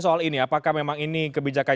soal ini apakah memang ini kebijakan